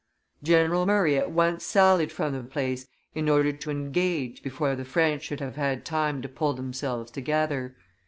General Murray at once sallied from the place in order to engage before the French should have had time to pull themselves together.